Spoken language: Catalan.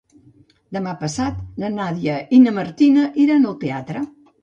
Demà passat na Nàdia i na Martina iran al teatre.